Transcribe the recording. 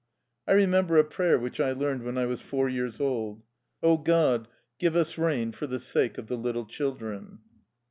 I remember a prayer which I learned when I was four years old :" О God, give us rain for the sake of the little children."